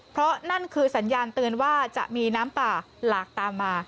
เพราะนั่นคือสัญญาณเตือนว่าจะมีน้ำป่าหลากตามมา